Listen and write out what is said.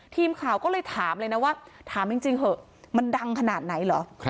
ทีมข่าวก็เลยถามเลยนะว่าถามจริงเถอะมันดังขนาดไหนเหรอ